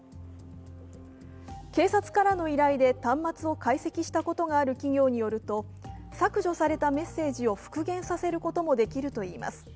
警察からの依頼で端末を解析したことがある企業によると削除されたメッセージを復元させることもできるといいます。